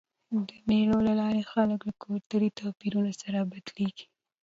د مېلو له لاري خلک له کلتوري توپیرونو سره بلدیږي.